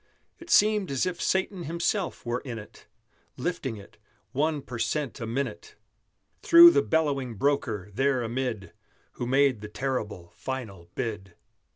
It seemed as if Satan himself were in it: Lifting it one per cent a minute Through the bellowing broker, there amid, Who made the terrible, final bid!